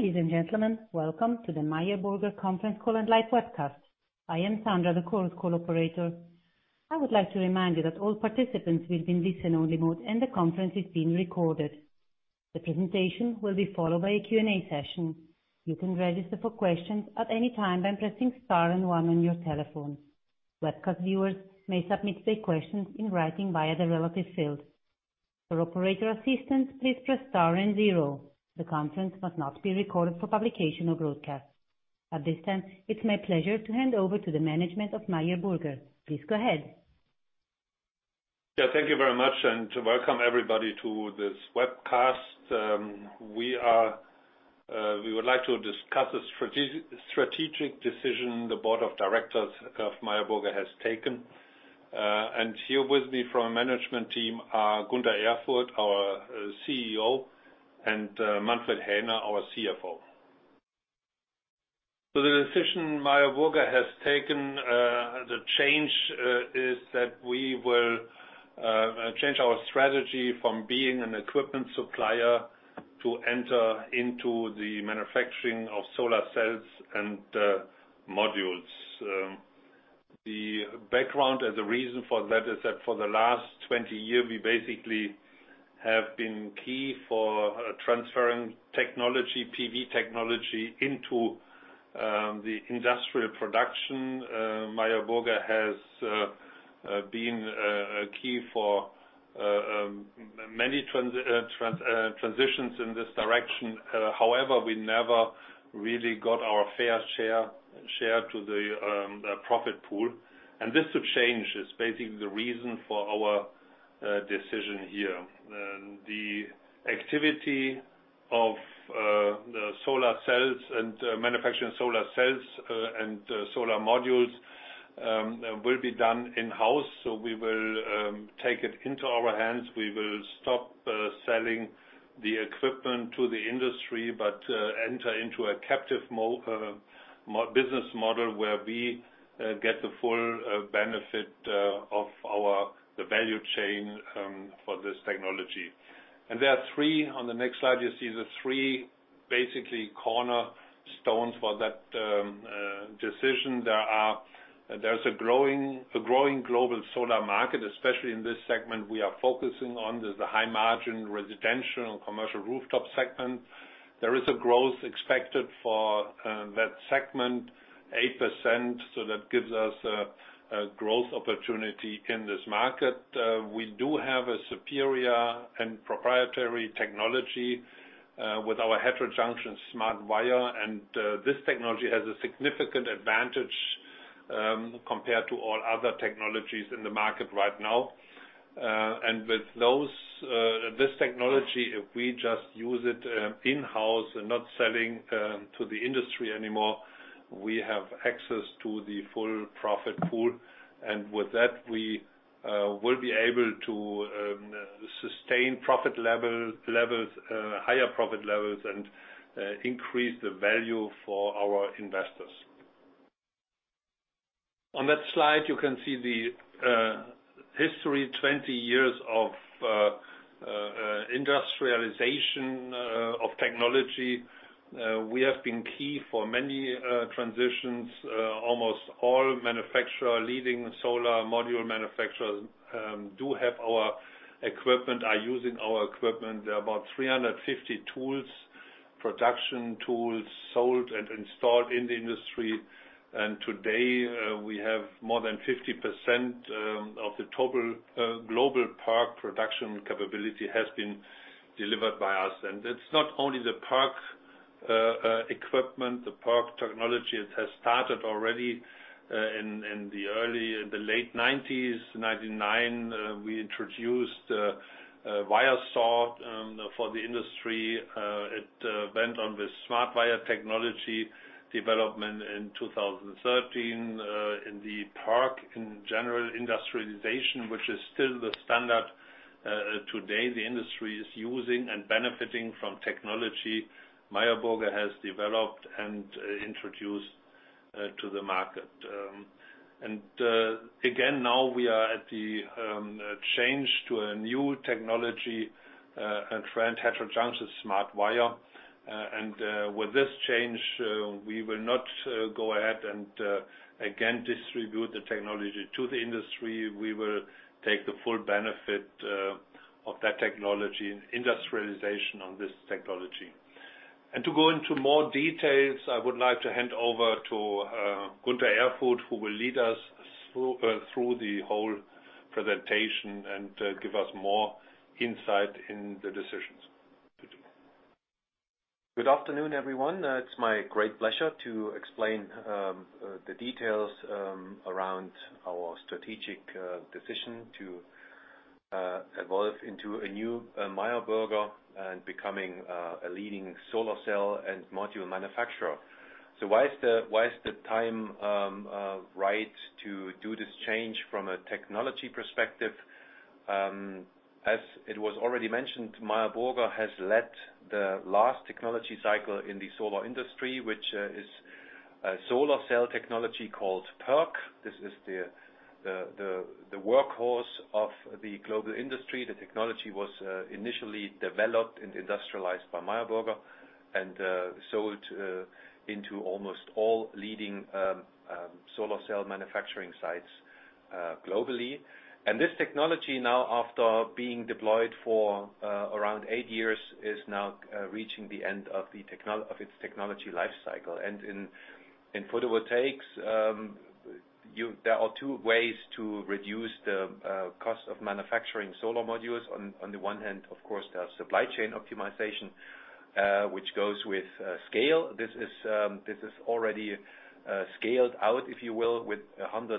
Ladies and gentlemen, welcome to the Meyer Burger conference call and live webcast. I am Sandra, the conference call operator. I would like to remind you that all participants will be in listen-only mode and the conference is being recorded. The presentation will be followed by a Q&A session. You can register for questions at any time by pressing star and one on your telephone. Webcast viewers may submit their questions in writing via the relevant field. For operator assistance, please press star and zero. The conference must not be recorded for publication or broadcast. At this time, it is my pleasure to hand over to the management of Meyer Burger. Please go ahead. Thank you very much and welcome everybody to this webcast. We would like to discuss a strategic decision the board of directors of Meyer Burger has taken. Here with me from management team are Gunter Erfurt, our CEO, and Manfred Häner, our CFO. The decision Meyer Burger has taken, the change is that we will change our strategy from being an equipment supplier to enter into the manufacturing of solar cells and modules. The background and the reason for that is that for the last 20 years, we basically have been key for transferring PV technology into the industrial production. Meyer Burger has been key for many transitions in this direction. However, we never really got our fair share to the profit pool. This change is basically the reason for our decision here. The activity of the solar cells and manufacturing solar cells and solar modules will be done in-house, so we will take it into our hands. We will stop selling the equipment to the industry, but enter into a captive business model where we get the full benefit of the value chain for this technology. There are three, on the next slide, you see the three basically cornerstones for that decision. There's a growing global solar market, especially in this segment we are focusing on. There's the high margin residential and commercial rooftop segment. There is a growth expected for that segment, 8%, so that gives us a growth opportunity in this market. We do have a superior and proprietary technology, with our heterojunction SmartWire. This technology has a significant advantage, compared to all other technologies in the market right now. With this technology, if we just use it in-house and not selling to the industry anymore, we have access to the full profit pool. With that, we will be able to sustain higher profit levels and increase the value for our investors. On that slide, you can see the history, 20 years of industrialization of technology. We have been key for many transitions. Almost all leading solar module manufacturers do have our equipment, are using our equipment. There are about 350 production tools sold and installed in the industry. Today, we have more than 50% of the total global PERC production capability has been delivered by us. It's not only the PERC equipment, the PERC technology. It has started already in the late '90s. 1999, we introduced Wire Saw for the industry. It went on with SmartWire technology development in 2013, in the PERC, in general industrialization, which is still the standard today the industry is using and benefiting from technology Meyer Burger has developed and introduced to the market. Again, now we are at the change to a new technology and trend, heterojunction SmartWire. With this change, we will not go ahead and again distribute the technology to the industry. We will take the full benefit of that technology and industrialization on this technology. To go into more details, I would like to hand over to Gunter Erfurt, who will lead us through the whole presentation and give us more insight in the decisions to do. Good afternoon, everyone. It's my great pleasure to explain the details around our strategic decision to evolve into a new Meyer Burger and becoming a leading solar cell and module manufacturer. Why is the time right to do this change from a technology perspective? As it was already mentioned, Meyer Burger has led the last technology cycle in the solar industry, which is a solar cell technology called PERC. This is the workhorse of the global industry. The technology was initially developed and industrialized by Meyer Burger, and sold into almost all leading solar cell manufacturing sites globally. This technology, now after being deployed for around eight years, is now reaching the end of its technology life cycle. In photovoltaics, there are two ways to reduce the cost of manufacturing solar modules. On the one hand, of course, there is supply chain optimization, which goes with scale. This is already scaled out, if you will, with 100+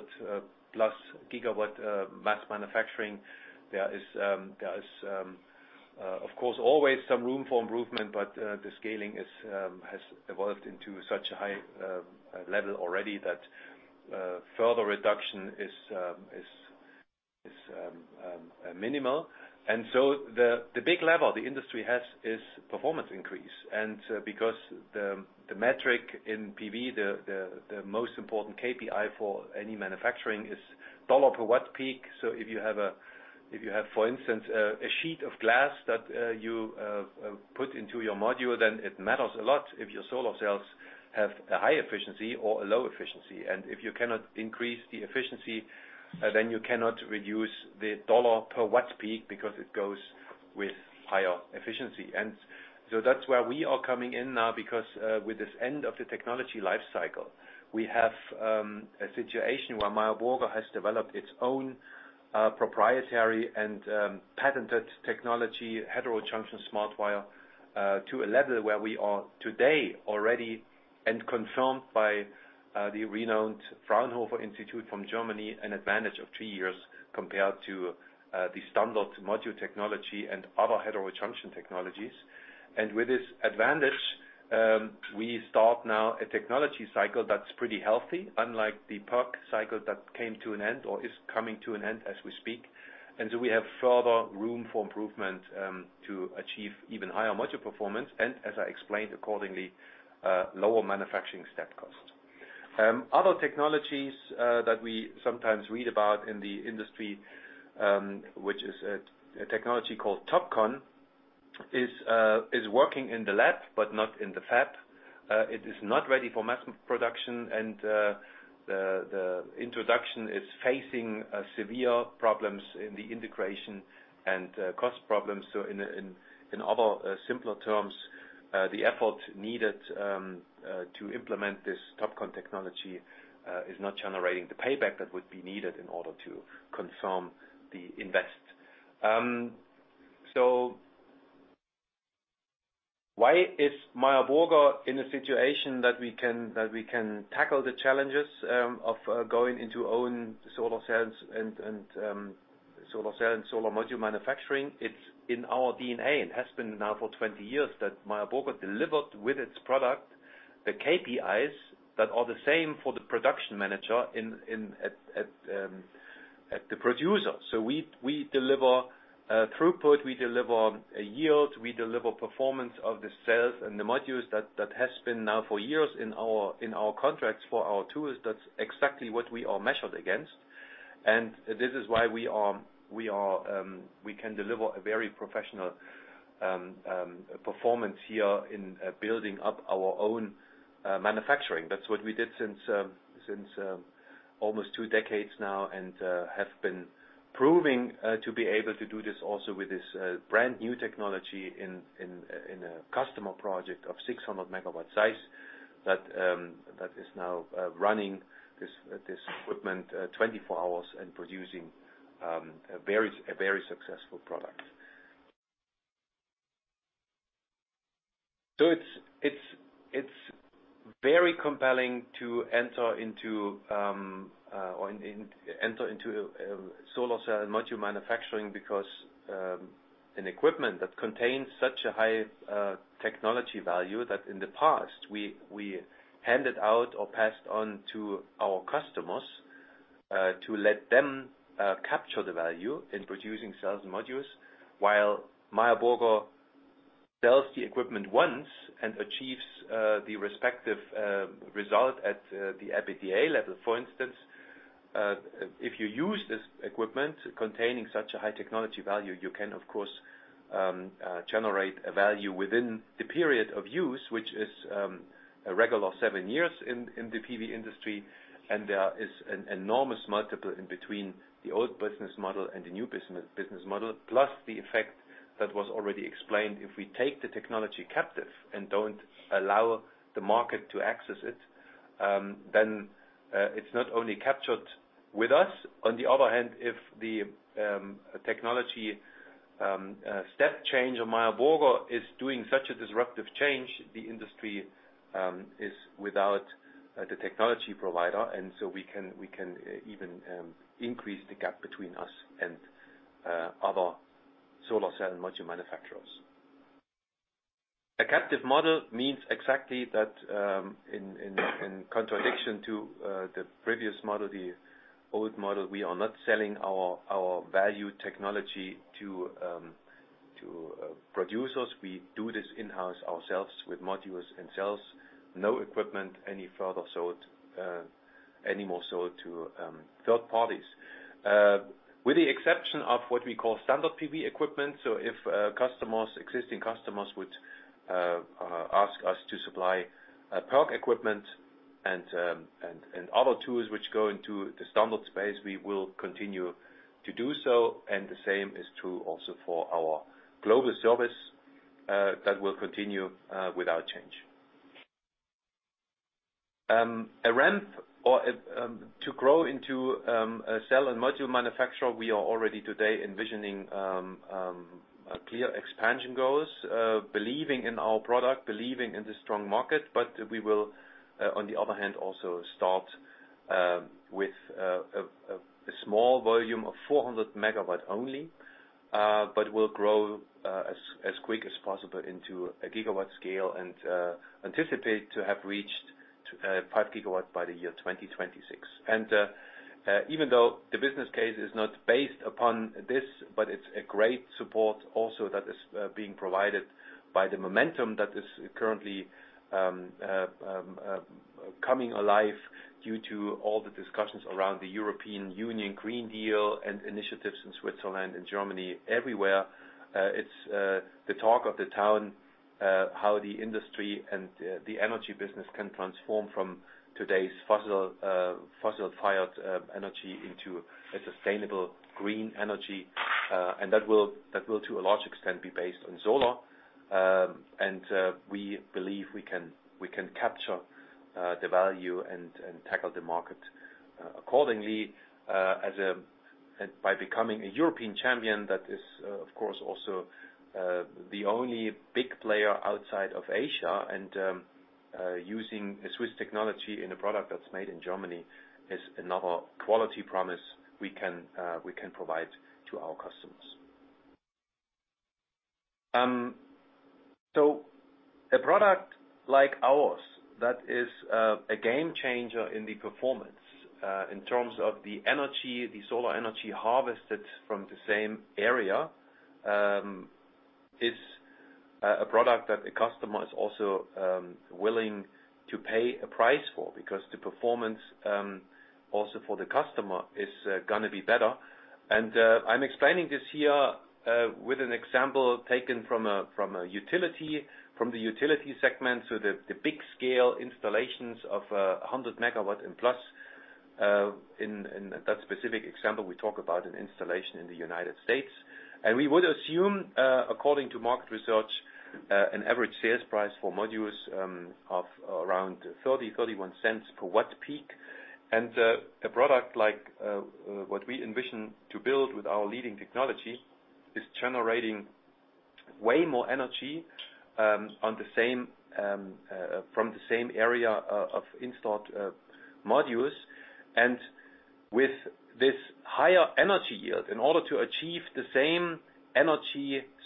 GW mass manufacturing. There is, of course, always some room for improvement, but the scaling has evolved into such a high level already that further reduction is minimal. The big lever the industry has is performance increase. Because the metric in PV, the most important KPI for any manufacturing is $ per watt peak. If you have, for instance, a sheet of glass that you put into your module, then it matters a lot if your solar cells have a high efficiency or a low efficiency. If you cannot increase the efficiency, then you cannot reduce the $ per watt peak, because it goes with higher efficiency. That's where we are coming in now, because with this end of the technology life cycle, we have a situation where Meyer Burger has developed its own proprietary and patented technology, heterojunction SmartWire, to a level where we are today already, and confirmed by the renowned Fraunhofer Institute from Germany, an advantage of three years compared to the standard module technology and other heterojunction technologies. With this advantage, we start now a technology cycle that's pretty healthy, unlike the PERC cycle that came to an end or is coming to an end as we speak. We have further room for improvement to achieve even higher module performance, and as I explained, accordingly, lower manufacturing step costs. Other technologies that we sometimes read about in the industry, which is a technology called TOPCon, is working in the lab, but not in the fab. It is not ready for mass production, the introduction is facing severe problems in the integration and cost problems. In other simpler terms, the effort needed to implement this TOPCon technology is not generating the payback that would be needed in order to confirm the invest. Why is Meyer Burger in a situation that we can tackle the challenges of going into own solar cells and solar module manufacturing? It's in our DNA and has been now for 20 years, that Meyer Burger delivered with its product the KPIs that are the same for the production manager at the producer. We deliver throughput, we deliver a yield, we deliver performance of the cells and the modules that has been now for years in our contracts for our tools. That's exactly what we are measured against. This is why we can deliver a very professional performance here in building up our own manufacturing. That's what we did since almost 2 decades now and have been proving to be able to do this also with this brand-new technology in a customer project of 600 MW size that is now running this equipment 24 hours and producing a very successful product. It's very compelling to enter into solar cell module manufacturing because an equipment that contains such a high technology value that in the past, we handed out or passed on to our customers to let them capture the value in producing cells and modules, while Meyer Burger sells the equipment once and achieves the respective result at the EBITDA level. For instance, if you use this equipment containing such a high technology value, you can, of course, generate a value within the period of use, which is a regular seven years in the PV industry. There is an enormous multiple in between the old business model and the new business model, plus the effect that was already explained. If we take the technology captive and don't allow the market to access it, then it's not only captured with us. On the other hand, if the technology step change of Meyer Burger is doing such a disruptive change, the industry is without the technology provider, and so we can even increase the gap between us and other solar cell module manufacturers. A captive model means exactly that, in contradiction to the previous model, the old model, we are not selling our value technology To producers. We do this in-house ourselves with modules and cells, no equipment, any more sold to third parties. With the exception of what we call standard PV equipment. If existing customers would ask us to supply PERC equipment and other tools which go into the standard space, we will continue to do so, and the same is true also for our global service, that will continue without change. To grow into a cell and module manufacturer, we are already today envisioning clear expansion goals, believing in our product, believing in the strong market. We will, on the other hand, also start with a small volume of 400 MW only, but will grow as quick as possible into a GW scale and anticipate to have reached 5 GW by the year 2026. Even though the business case is not based upon this, it's a great support also that is being provided by the momentum that is currently coming alive due to all the discussions around the European Green Deal and initiatives in Switzerland and Germany. Everywhere, it's the talk of the town, how the industry and the energy business can transform from today's fossil-fired energy into a sustainable green energy. That will, to a large extent, be based on solar. We believe we can capture the value and tackle the market accordingly by becoming a European champion that is, of course, also the only big player outside of Asia. Using a Swiss technology in a product that's made in Germany is another quality promise we can provide to our customers. A product like ours, that is a game changer in the performance in terms of the solar energy harvested from the same area, is a product that the customer is also willing to pay a price for, because the performance also for the customer is going to be better. I'm explaining this here with an example taken from the utility segment, so the big scale installations of 100 MW and plus. In that specific example, we talk about an installation in the U.S. We would assume, according to market research, an average sales price for modules of around $0.30, $0.31 per Wp. A product like what we envision to build with our leading technology is generating way more energy from the same area of installed modules. With this higher energy yield, in order to achieve the same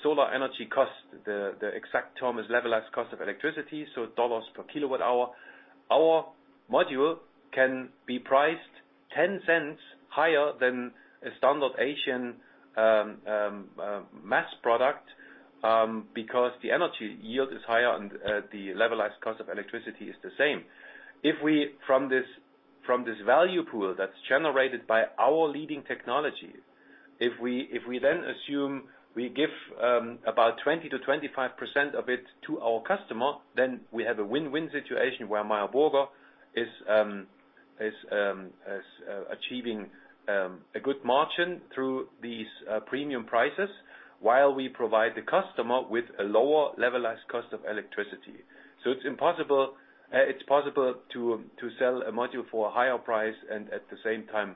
solar energy cost, the exact term is levelized cost of electricity, so $ per kWh. Our module can be priced $0.10 higher than a standard Asian mass product, because the energy yield is higher and the levelized cost of electricity is the same. From this value pool that's generated by our leading technology, if we then assume we give about 20%-25% of it to our customer, then we have a win-win situation where Meyer Burger is achieving a good margin through these premium prices while we provide the customer with a lower levelized cost of electricity. It's possible to sell a module for a higher price and at the same time,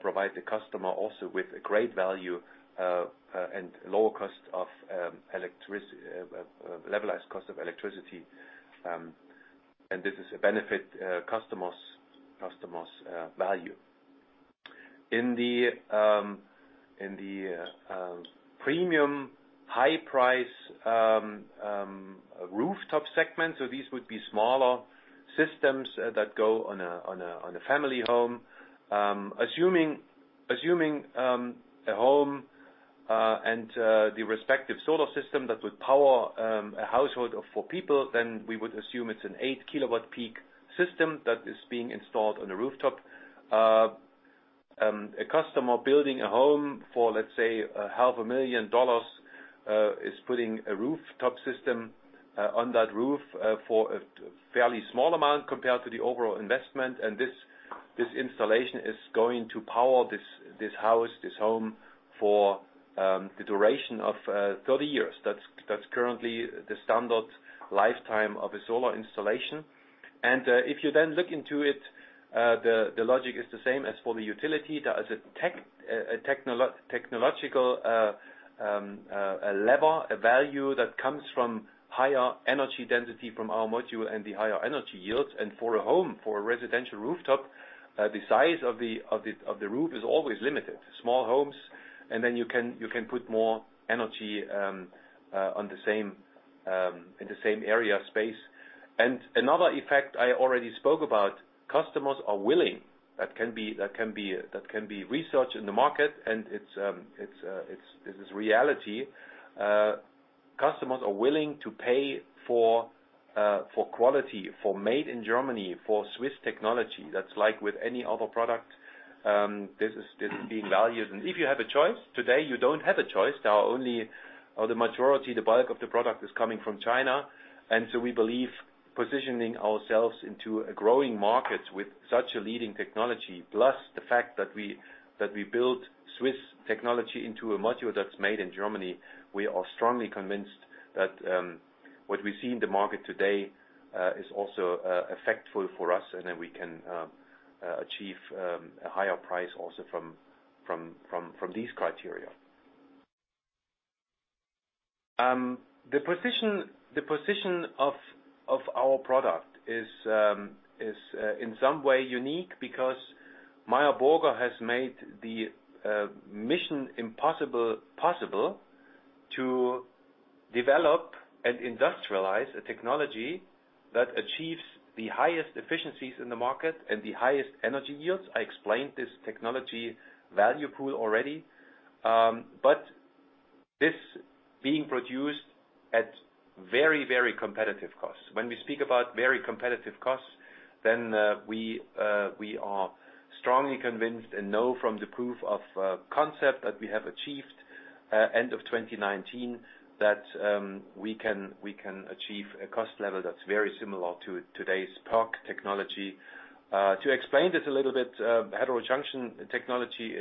provide the customer also with a great value and lower levelized cost of electricity. This is a benefit customers value. In the premium high price rooftop segment, these would be smaller systems that go on a family home. Assuming a home and the respective solar system that would power a household of four people, we would assume it's an 8 kW peak system that is being installed on a rooftop. A customer building a home for, let's say, half a million dollars, is putting a rooftop system on that roof for a fairly small amount compared to the overall investment. This installation is going to power this house, this home, for the duration of 30 years. That's currently the standard lifetime of a solar installation. If you look into it, the logic is the same as for the utility. There is a technological lever, a value that comes from higher energy density from our module and the higher energy yields. For a home, for a residential rooftop, the size of the roof is always limited. Small homes, you can put more energy in the same area space. Another effect I already spoke about, customers are willing, that can be researched in the market and it is reality, customers are willing to pay for quality, for Made in Germany, for Swiss technology. That's like with any other product, this is being valued. If you have a choice, today you don't have a choice. The majority, the bulk of the product is coming from China. We believe positioning ourselves into a growing market with such a leading technology, plus the fact that we build Swiss technology into a module that's made in Germany, we are strongly convinced that what we see in the market today is also effectful for us and that we can achieve a higher price also from these criteria. The position of our product is in some way unique because Meyer Burger has made the mission impossible possible to develop and industrialize a technology that achieves the highest efficiencies in the market and the highest energy yields. I explained this technology value pool already, this being produced at very competitive costs. When we speak about very competitive costs, we are strongly convinced and know from the proof of concept that we have achieved end of 2019 that we can achieve a cost level that's very similar to today's PERC technology. To explain this a little bit, heterojunction technology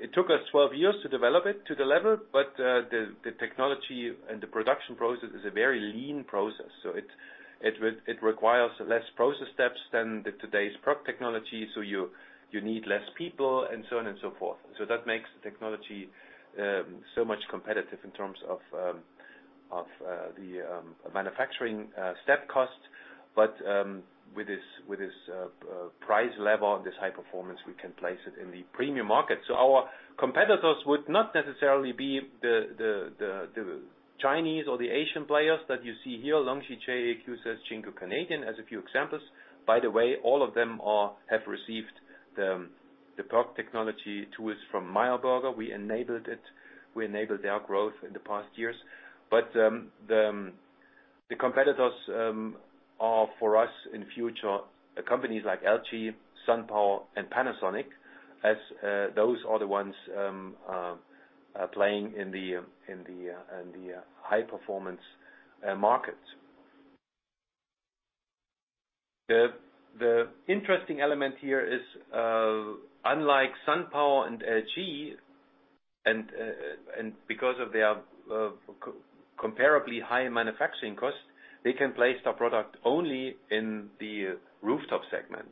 it took us 12 years to develop it to the level, the technology and the production process is a very lean process. It requires less process steps than today's PERC technology, you need less people and so on and so forth. That makes the technology so much competitive in terms of the manufacturing step costs. With this price level and this high performance, we can place it in the premium market. Our competitors would not necessarily be the Chinese or the Asian players that you see here, LONGi, JA Solar, Qcells, JinkoSolar, Canadian Solar, as a few examples. By the way, all of them have received the PERC technology tools from Meyer Burger. The competitors are, for us in future, companies like LG, SunPower and Panasonic, as those are the ones playing in the high-performance markets. The interesting element here is, unlike SunPower and LG and because of their comparably high manufacturing costs, they can place their product only in the rooftop segment.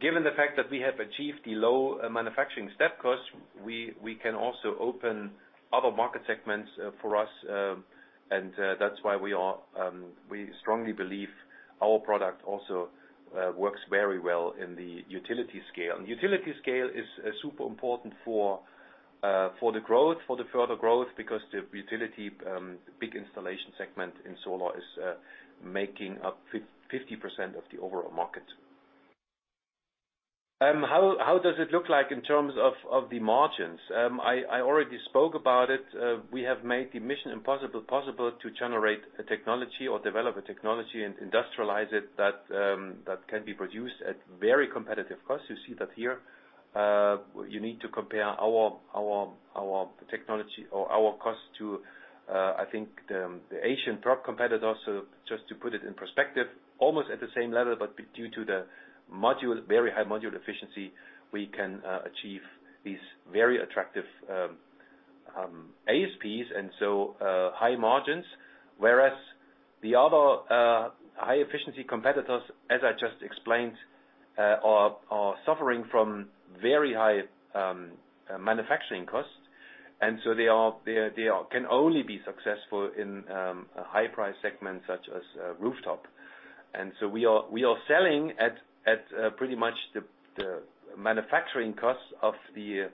Given the fact that we have achieved the low manufacturing step costs, we can also open other market segments for us. That's why we strongly believe our product also works very well in the utility scale. Utility scale is super important for the further growth because the utility big installation segment in solar is making up 50% of the overall market. How does it look like in terms of the margins? I already spoke about it. We have made the mission impossible possible to generate a technology or develop a technology and industrialize it that can be produced at very competitive costs. You see that here. You need to compare our technology or our costs to, I think the Asian PERC competitors, just to put it in perspective. Almost at the same level, due to the very high module efficiency, we can achieve these very attractive ASPs and high margins. The other high-efficiency competitors, as I just explained, are suffering from very high manufacturing costs, they can only be successful in a high price segment such as rooftop. We are selling at pretty much the manufacturing costs of the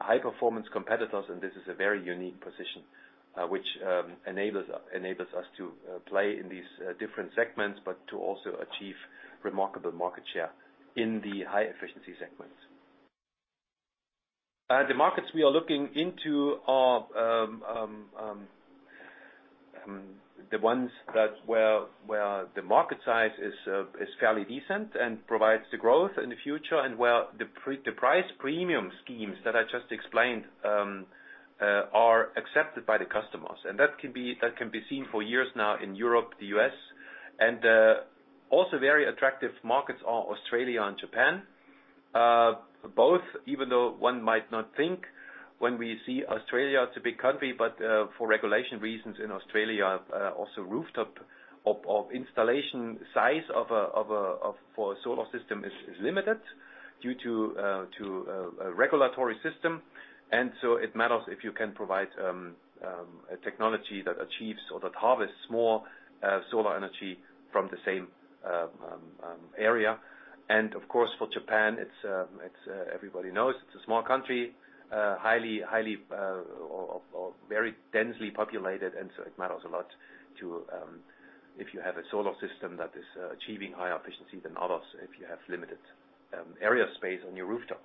high-performance competitors, and this is a very unique position. Which enables us to play in these different segments, but to also achieve remarkable market share in the high-efficiency segments. The markets we are looking into are the ones where the market size is fairly decent and provides the growth in the future and where the price premium schemes that I just explained are accepted by the customers. That can be seen for years now in Europe, the U.S. Also very attractive markets are Australia and Japan. Both, even though one might not think when we see Australia, it's a big country, but for regulation reasons in Australia, also rooftop of installation size for a solar system is limited due to a regulatory system. It matters if you can provide a technology that achieves or that harvests more solar energy from the same area. Of course, for Japan, everybody knows it's a small country, highly or very densely populated, it matters a lot if you have a solar system that is achieving higher efficiency than others, if you have limited area space on your rooftop.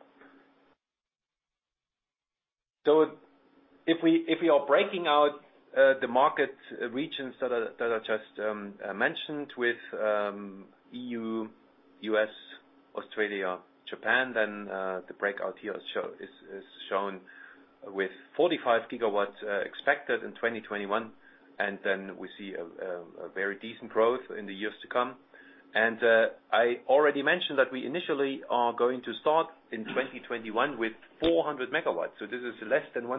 If we are breaking out the market regions that I just mentioned with EU, U.S., Australia, Japan, the breakout here is shown with 45 GW expected in 2021. We see a very decent growth in the years to come. I already mentioned that we initially are going to start in 2021 with 400 MW. This is less than 1%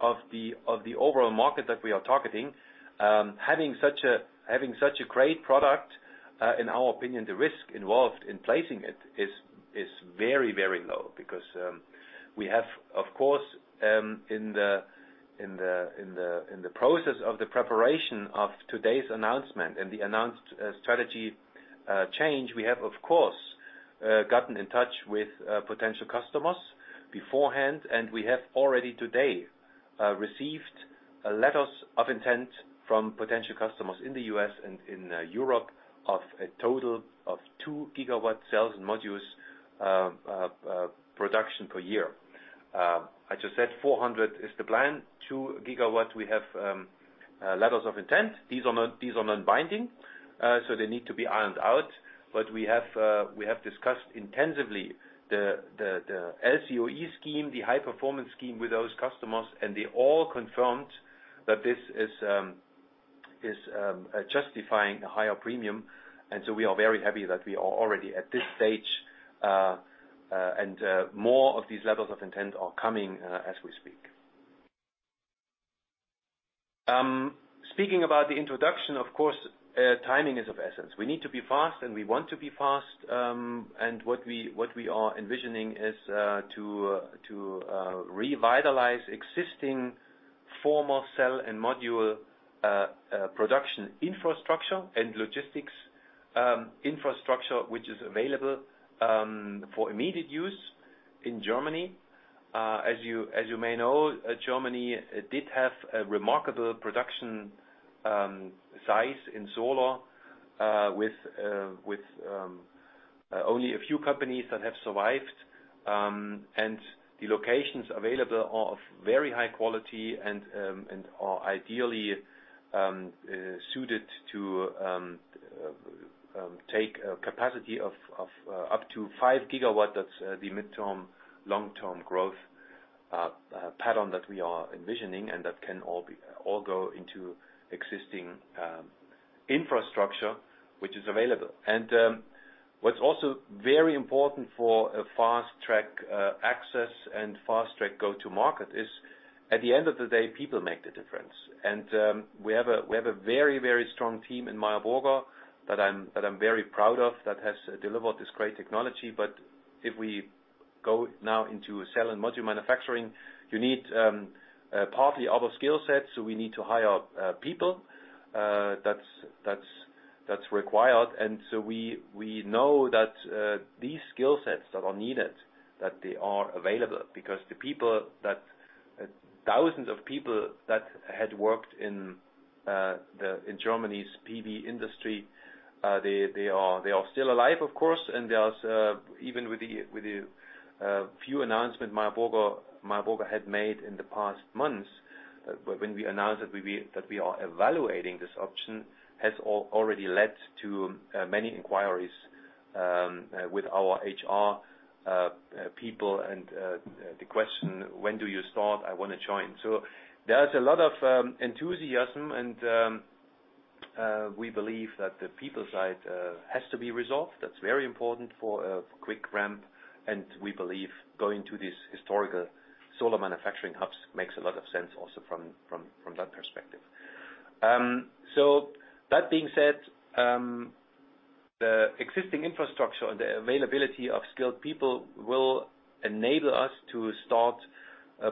of the overall market that we are targeting. Having such a great product, in our opinion, the risk involved in placing it is very low. We have, of course, in the process of the preparation of today's announcement and the announced strategy change, we have, of course, gotten in touch with potential customers beforehand. We have already today, received letters of intent from potential customers in the U.S. and in Europe of a total of 2 GW cells and modules production per year. I just said 400 is the plan. 2 GW, we have letters of intent. These are non-binding, they need to be ironed out. We have discussed intensively the LCOE scheme, the high-performance scheme with those customers, and they all confirmed that this is justifying a higher premium. We are very happy that we are already at this stage. More of these levels of intent are coming as we speak. Speaking about the introduction, of course, timing is of essence. We need to be fast, and we want to be fast. What we are envisioning is to revitalize existing former cell and module production infrastructure and logistics infrastructure, which is available for immediate use in Germany. As you may know, Germany did have a remarkable production size in solar, with only a few companies that have survived. The locations available are of very high quality and are ideally suited to take a capacity of up to 5 GW. That's the mid-term, long-term growth pattern that we are envisioning, and that can all go into existing infrastructure which is available. What's also very important for a fast-track access and fast-track go to market is, at the end of the day, people make the difference. We have a very strong team in Meyer Burger that I'm very proud of, that has delivered this great technology. If we go now into cell and module manufacturing, you need partly other skill sets. We need to hire people. That's required. We know that these skill sets that are needed, that they are available because the thousands of people that had worked in Germany's PV industry, they are still alive, of course. There's, even with the few announcements Meyer Burger had made in the past months, when we announced that we are evaluating this option, has already led to many inquiries with our HR people and the question, when do you start? I want to join. There's a lot of enthusiasm, and we believe that the people side has to be resolved. That's very important for a quick ramp. We believe going to these historical solar manufacturing hubs makes a lot of sense also from that perspective. That being said, the existing infrastructure and the availability of skilled people will enable us to start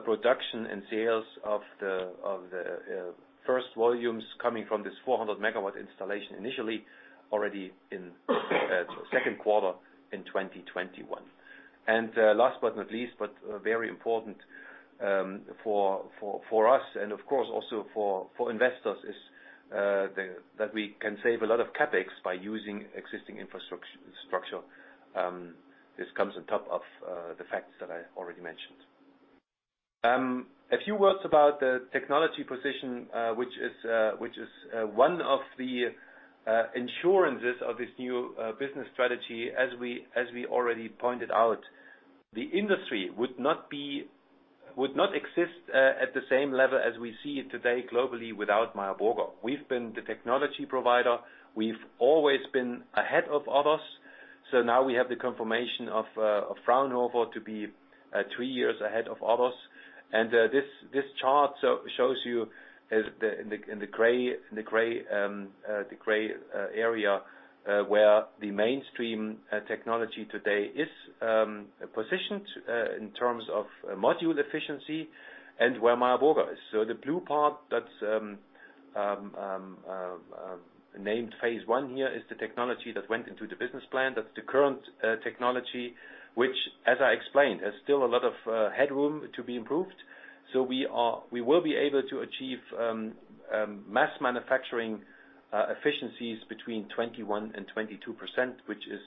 production and sales of the first volumes coming from this 400-MW installation, initially, already in second quarter in 2021. Last but not least, but very important for us and, of course, also for investors, is that we can save a lot of CapEx by using existing infrastructure. This comes on top of the facts that I already mentioned. A few words about the technology position, which is one of the insurances of this new business strategy, as we already pointed out. The industry would not exist at the same level as we see it today globally without Meyer Burger. We've been the technology provider. We've always been ahead of others. Now we have the confirmation of Fraunhofer to be three years ahead of others. This chart shows you, in the gray area, where the mainstream technology today is positioned in terms of module efficiency and where Meyer Burger is. The blue part that's named phase one here is the technology that went into the business plan. That's the current technology, which as I explained, has still a lot of headroom to be improved. We will be able to achieve mass manufacturing efficiencies between 21% and 22%, which is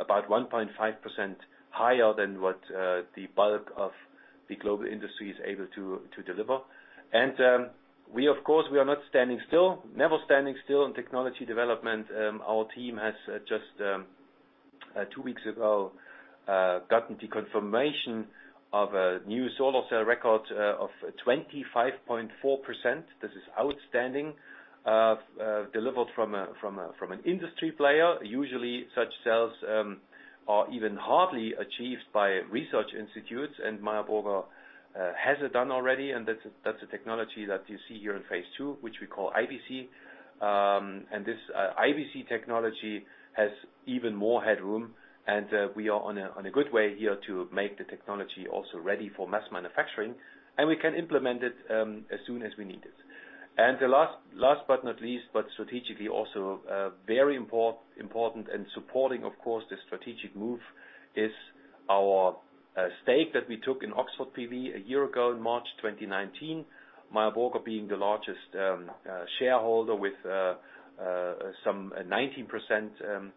about 1.5% higher than what the bulk of the global industry is able to deliver. We of course, we are never standing still on technology development. Our team has just, two weeks ago, gotten the confirmation of a new solar cell record of 25.4%. This is outstanding, delivered from an industry player. Usually such cells are even hardly achieved by research institutes, Meyer Burger has it done already, and that's a technology that you see here in phase II, which we call IBC. This IBC technology has even more headroom, and we are on a good way here to make the technology also ready for mass manufacturing, and we can implement it as soon as we need it. The last but not least, but strategically also very important and supporting, of course, the strategic move is our stake that we took in Oxford PV a year ago in March 2019. Meyer Burger being the largest shareholder with some 19%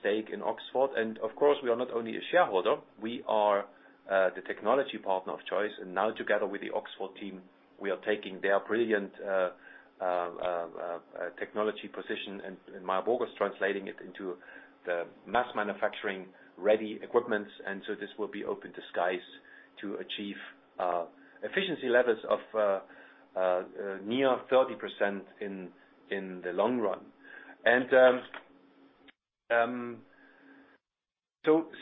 stake in Oxford. Of course, we are not only a shareholder, we are the technology partner of choice. Now together with the Oxford team, we are taking their brilliant technology position and Meyer Burger is translating it into the mass manufacturing ready equipment. This will be open skies to achieve efficiency levels of near 30% in the long run.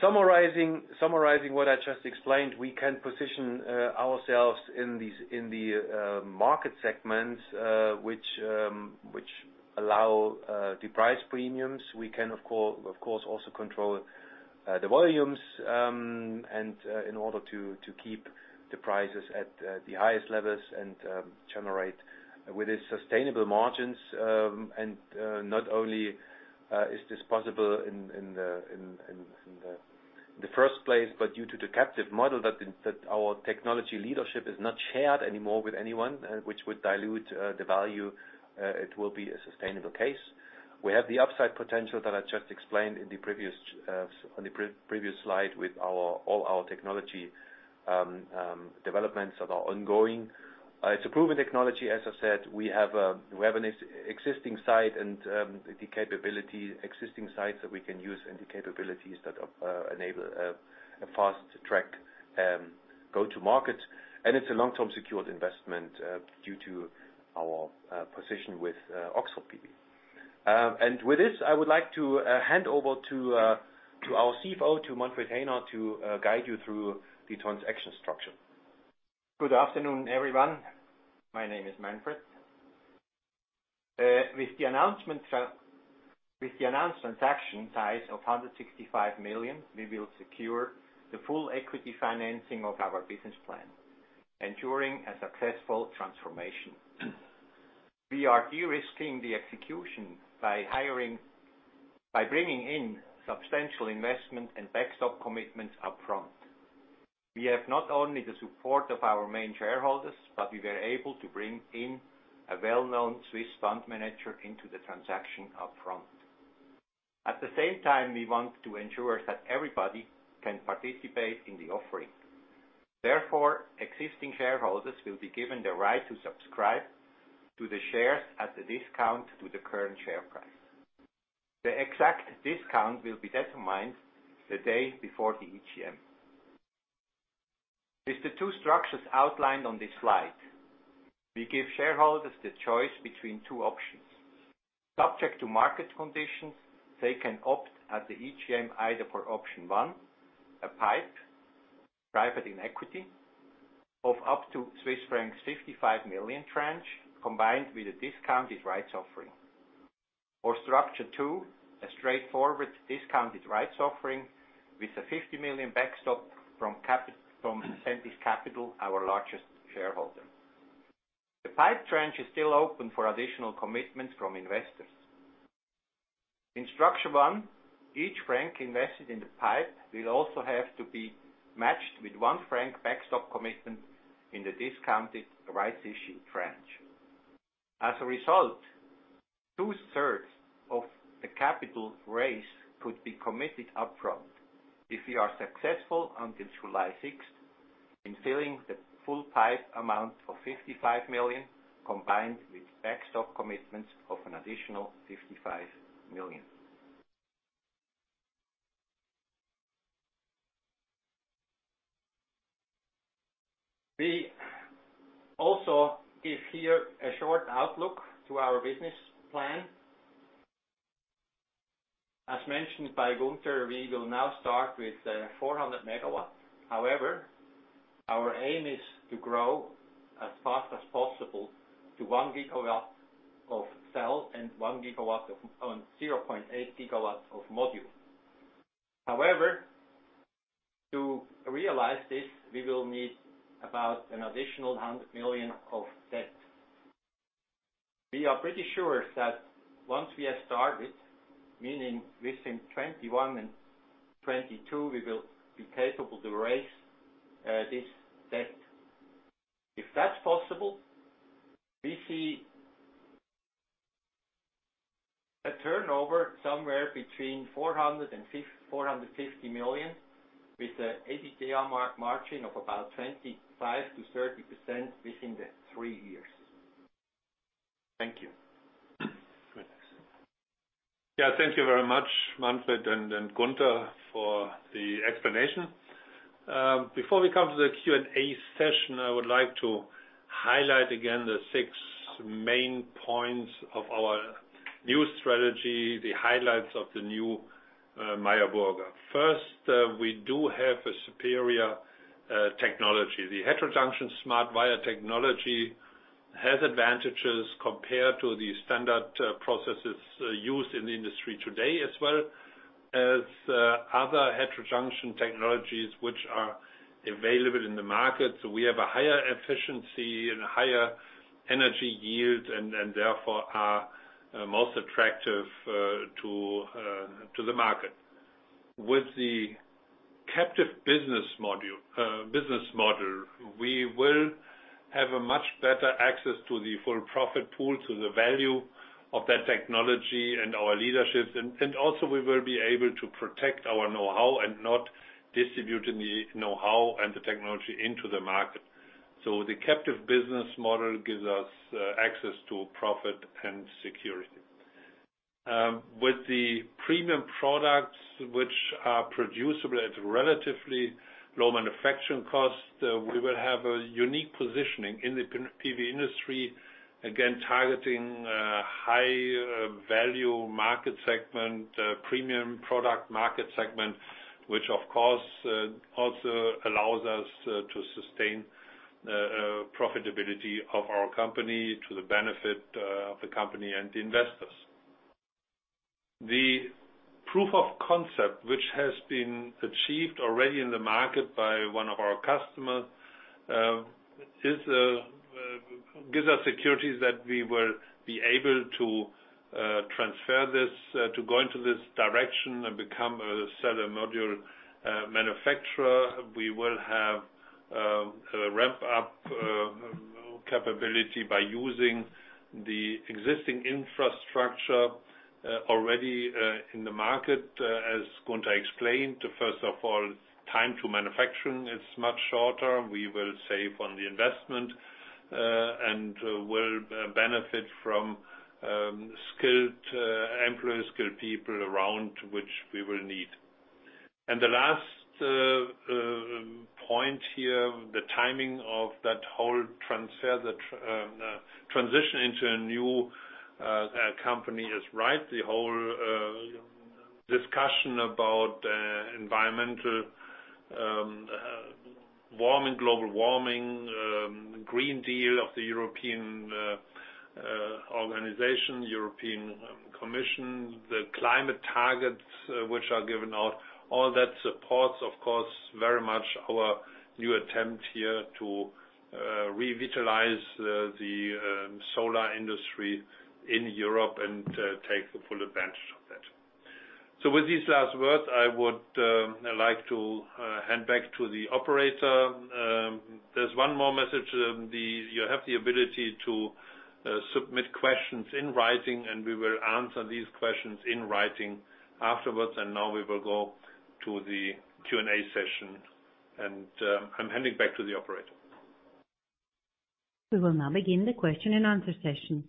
Summarizing what I just explained, we can position ourselves in the market segments, which allow the price premiums. We can, of course, also control the volumes, and in order to keep the prices at the highest levels and generate with its sustainable margins. Not only is this possible in the first place, but due to the captive model that our technology leadership is not shared anymore with anyone, which would dilute the value, it will be a sustainable case. We have the upside potential that I just explained on the previous slide with all our technology developments that are ongoing. It's a proven technology, as I said. We have an existing site and the capability, existing sites that we can use and the capabilities that enable a fast-track go to market. It's a long-term secured investment due to our position with Oxford PV. With this, I would like to hand over to our CFO, to Manfred Häner, to guide you through the transaction structure. Good afternoon, everyone. My name is Manfred. With the announced transaction size of 165 million, we will secure the full equity financing of our business plan, ensuring a successful transformation. We are de-risking the execution by bringing in substantial investment and backstop commitments up front. We have not only the support of our main shareholders, but we were able to bring in a well-known Swiss fund manager into the transaction up front. At the same time, we want to ensure that everybody can participate in the offering. Therefore, existing shareholders will be given the right to subscribe to the shares at a discount to the current share price. The exact discount will be determined the day before the EGM. With the two structures outlined on this slide, we give shareholders the choice between two options. Subject to market conditions, they can opt at the EGM either for option one, a PIPE, private in equity, of up to Swiss franc 55 million tranche, combined with a discounted rights offering. Structure two, a straightforward discounted rights offering with a 50 million backstop from Sentis Capital, our largest shareholder. The PIPE tranche is still open for additional commitments from investors. In structure one, each CHF invested in the PIPE will also have to be matched with one CHF backstop commitment in the discounted rights issue tranche. As a result, two-thirds of the capital raise could be committed up front if we are successful until July 6th in filling the full PIPE amount of 55 million, combined with backstop commitments of an additional 55 million. We also give here a short outlook to our business plan. As mentioned by Gunter, we will now start with 400 MW. Our aim is to grow as fast as possible to one GW of cell and 0.8 GW of module. To realize this, we will need about an additional 100 million of debt. We are pretty sure that once we have started, meaning within 2021 and 2022, we will be capable to raise this debt. If that's possible, we see a turnover somewhere between 400 million-450 million, with a EBITDA margin of about 25%-30% within the three years. Thank you. Yes, thank you very much, Manfred and Gunter, for the explanation. Before we come to the Q&A session, I would like to highlight again the six main points of our new strategy, the highlights of the new Meyer Burger. We do have a superior technology. The heterojunction SmartWire technology has advantages compared to the standard processes used in the industry today, as well as other heterojunction technologies which are available in the market. We have a higher efficiency and a higher energy yield, therefore, are most attractive to the market. With the captive business model, we will have a much better access to the full profit pool, to the value of that technology and our leadership. Also we will be able to protect our knowhow and not distribute the knowhow and the technology into the market. The captive business model gives us access to profit and security. With the premium products, which are producible at relatively low manufacturing costs, we will have a unique positioning in the PV industry, again targeting high value market segment, premium product market segment, which, of course, also allows us to sustain profitability of our company to the benefit of the company and the investors. The proof of concept, which has been achieved already in the market by one of our customers, gives us securities that we will be able to transfer this, to go into this direction and become a cell and module manufacturer. We will have a ramp-up capability by using the existing infrastructure already in the market, as Gunter explained. First of all, time to manufacturing is much shorter. We will save on the investment, and will benefit from employed skilled people around, which we will need. The last point here, the timing of that whole transition into a new company is right. The whole discussion about environmental warming, global warming, Green Deal of the European organization, European Commission, the climate targets, which are given out, all that supports, of course, very much our new attempt here to revitalize the solar industry in Europe and take the full advantage of that. With these last words, I would like to hand back to the operator. There's one more message. You have the ability to submit questions in writing, and we will answer these questions in writing afterwards. Now we will go to the Q&A session, and I'm handing back to the operator. We will now begin the question and answer session.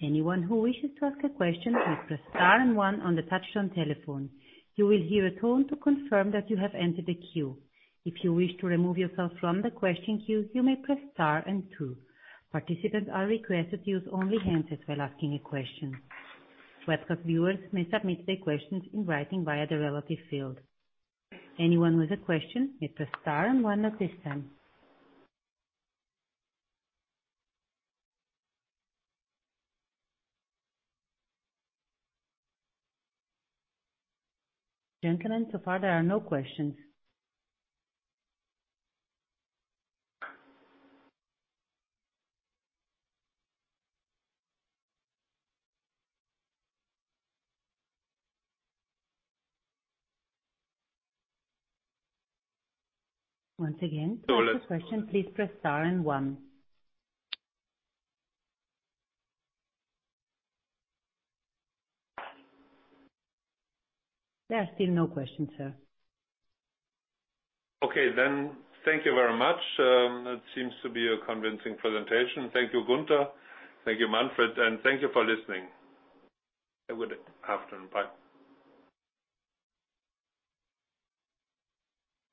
Anyone who wishes to ask a question should press star 1 on the touch-tone telephone. You will hear a tone to confirm that you have entered the queue. If you wish to remove yourself from the question queue, you may press star 2. Participants are requested to use only hands-ups while asking a question. Webcast viewers may submit their questions in writing via the relevant field. Anyone with a question, you press star 1 at this time. Gentlemen, so far there are no questions. So let- To ask a question, please press star and one. There are still no questions, sir. Okay. Thank you very much. That seems to be a convincing presentation. Thank you, Gunter. Thank you, Manfred, and thank you for listening. Have a good afternoon. Bye.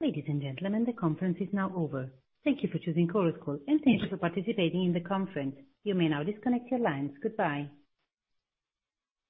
Ladies and gentlemen, the conference is now over. Thank you for choosing Chorus Call, and thank you for participating in the conference. You may now disconnect your lines. Goodbye.